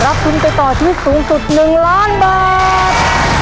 รับทุนไปต่อที่สูงสุด๑ล้านบาท